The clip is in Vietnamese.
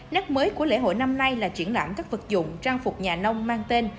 nét mới của lễ hội năm nay là triển lãm các vật dụng trang phục nhà nông mang tên